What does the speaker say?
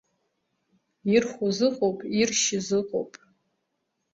Ирхәыз ыҟоуп, иршьыз ыҟоуп.